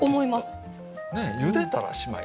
ねっゆでたらしまい。